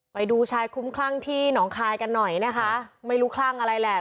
ไปดูชายคุ้มคลั่งที่หนองคายกันหน่อยนะคะไม่รู้คลั่งอะไรแหละ